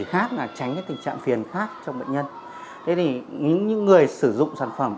khác là tránh các tình trạng phiền khác trong bệnh nhân thế thì những người sử dụng sản phẩm